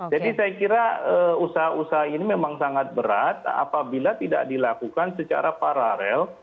saya kira usaha usaha ini memang sangat berat apabila tidak dilakukan secara paralel